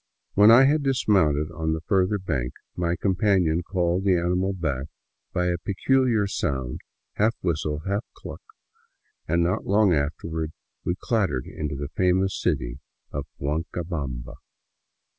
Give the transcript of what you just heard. When I had dismounted on the further bank, my companion called the animal back by a peculiar sound, half whistle, half cluck, and not long afterward we clattered into the famous city of Huancabamba.